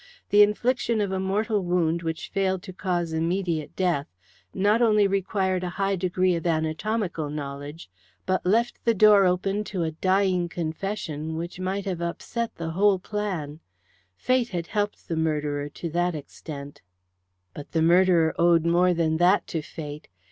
The infliction of a mortal wound which failed to cause immediate death not only required a high degree of anatomical knowledge, but left the door open to a dying confession which might have upset the whole plan. Fate had helped the murderer to that extent. But the murderer owed more than that to Fate.